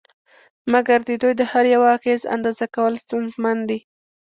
مګر د دوی د هر یوه اغېز اندازه کول ستونزمن دي